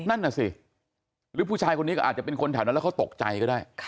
นั่นน่ะสิหรือผู้ชายคนนี้ก็อาจจะเป็นคนแถวนั้นแล้วเขาตกใจก็ได้